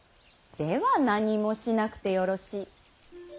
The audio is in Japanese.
では何もしなくてよろしい。